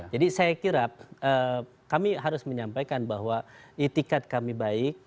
jadi saya kira kami harus menyampaikan bahwa itikat kami baik